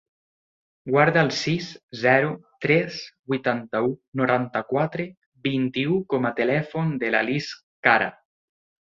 Guarda el sis, zero, tres, vuitanta-u, noranta-quatre, vint-i-u com a telèfon de la Lis Cara.